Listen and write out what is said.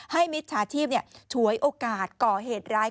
มิจฉาชีพฉวยโอกาสก่อเหตุร้าย